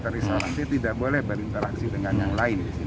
terisolasi tidak boleh berinteraksi dengan yang lain